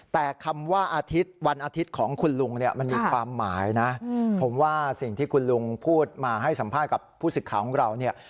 แต่คำว่าอาทิตย์วันอาทิตย์ของคุณลุงมีความหมายผมว่าสิ่งที่คุณลุงพูดมาให้สัมภาษณ์กับผู้ศึกขาของเรา